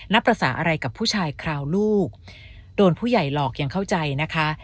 ภาษาอะไรกับผู้ชายคราวลูกโดนผู้ใหญ่หลอกอย่างเข้าใจนะคะ